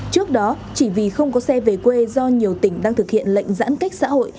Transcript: trước đó chỉ vì không có xe về quê do nhiều tỉnh đang thực hiện lệnh giãn cách xã hội